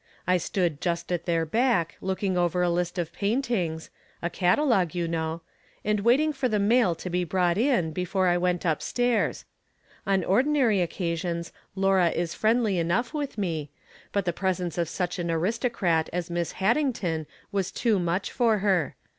I stood just at their back, looking over a Ust of paintings — a cata From Different Standpoints. 39 logue, you know — and waiting for the mail to be brought in, before I went up stairs. On ordi nary occasions Laura is friendly enough with me, but th6 presence of such an aristocrat as Miss Haddington was too much for her.